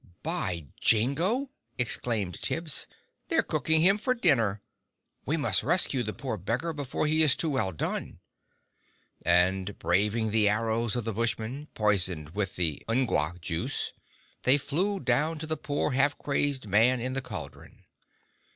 "By jingo!" exclaimed Tibbs, "they're cooking him for dinner! We must rescue the poor beggar before he is too well done!" And braving the arrows of the Bushmen poisoned with the n'gwa juice they flew down to the poor half crazed man in the cauldron.